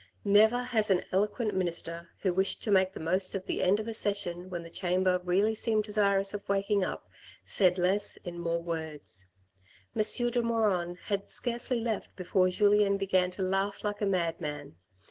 Never has an eloquent minister who wished to make the most of the end of a session when the Chamber really seemed desirous of waking up, said less in more words. M. de Maugiron had scarcely left before Julien began to laugh like a madman.